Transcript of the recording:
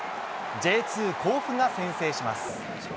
・甲府が先制します。